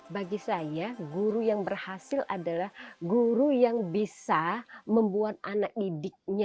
bagi saya guru yang berhasil adalah guru yang bisa membuat anak didiknya